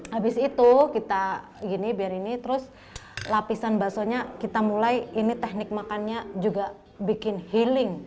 habis itu kita gini biar ini terus lapisan baksonya kita mulai ini teknik makannya juga bikin healing